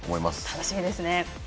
楽しみですね。